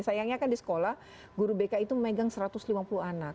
sayangnya kan di sekolah guru bk itu memegang satu ratus lima puluh anak